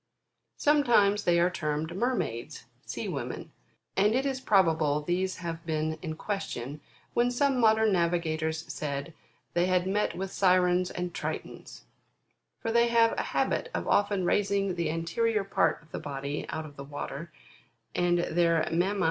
Sometimes they are termed Mermaids, Sea women, and it is probable these have been in question, when some modern navigators said, they had met with Sirens and Tritons : for they have a habit of often raising the anterior part of the body out of the water, and their mamma?